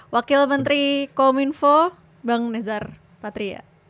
wakil menteri kominfo bang nezar patria